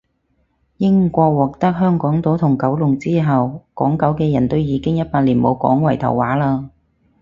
英國獲得香港島同九龍之後，港九嘅人都已經一百年冇講圍頭話喇